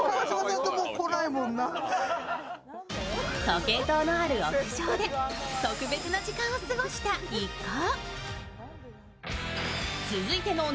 時計塔のある屋上で特別な時間を過ごした一行。